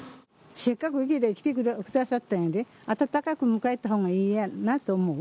せっかく池田来てくださったんやで、温かく迎えたほうがいいやんと思う。